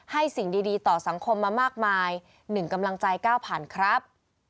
ให้สิ่งดีดีต่อสังคมมามากมายหนึ่งกำลังใจเก้าพันครับ